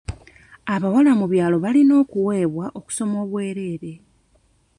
Abawala mu byalo balina okuweebwa okusoma okwobwerere.